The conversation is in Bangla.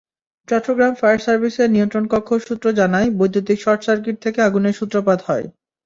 চট্টগ্রাম ফায়ার সার্ভিসের নিয়ন্ত্রণকক্ষ সূত্র জানায়, বৈদ্যুতিক শর্টসার্কিট থেকে আগুনের সূত্রপাত হয়।